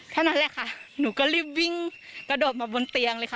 เท่านั้นแหละค่ะหนูก็รีบวิ่งกระโดดมาบนเตียงเลยค่ะ